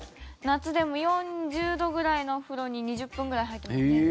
夏でも４０度ぐらいのお風呂に２０分ぐらい入っています。